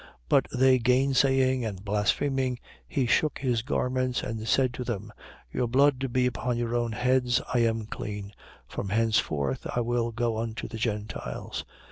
18:6. But they gainsaying and blaspheming, he shook his garments and said to them: Your blood be upon your own heads: I am clean. From henceforth I will go unto the Gentiles.